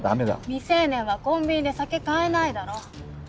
未成年はコンビニで酒買えないだろ。